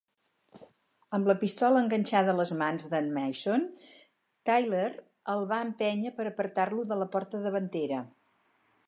Amb la pistola enganxada a les mans de"n Mason, Tyler el va empènyer per apartar-lo de la porta davantera.